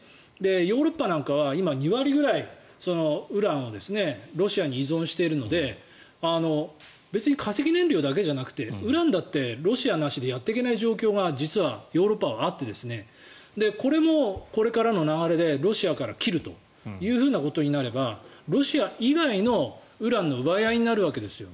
ヨーロッパなんかは今、２割ぐらいウランをロシアに依存しているので別に化石燃料だけじゃなくてウランだってロシアなしでやっていけない状況が実はヨーロッパはあってこれも、これからの流れでロシアから切るということになればロシア以外のウランの奪い合いになるわけですよ。